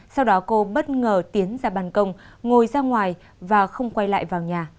sau đó cô bất ngờ tiến ra bàn công ngồi ra ngoài và không quay lại vào nhà